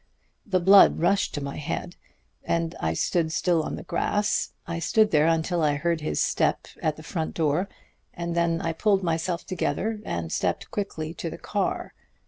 The blood rushed to my head, and I stood still on the grass. I stood there until I heard his step at the front door, and then I pulled myself together and stepped quickly to the car.